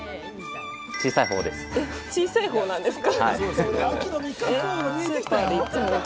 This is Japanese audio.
小さい方なんですか？